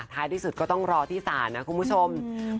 ที่สุดก็ต้องรอที่ศาลนะคุณผู้ชม